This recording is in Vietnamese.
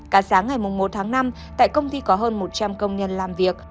cả sáng ngày một tháng năm tại công ty có hơn một trăm linh công nhân làm việc